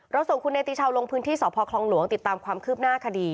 ส่งคุณเนติชาวลงพื้นที่สพคลองหลวงติดตามความคืบหน้าคดี